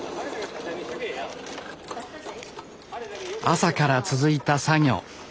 朝から続いた作業。